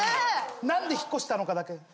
なんで引っ越したのかだけ。